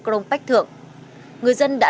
cronpách thượng người dân đã